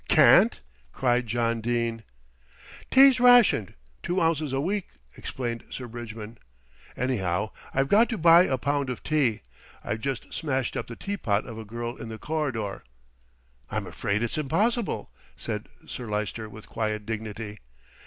"Can't!" cried John Dene. "Tea's rationed two ounces a week," explained Sir Bridgman. "Anyhow I've got to buy a pound of tea. I've just smashed up the teapot of a girl in the corridor." "I'm afraid it's impossible," said Sir Lyster with quiet dignity.